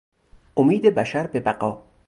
امید بشر به بقا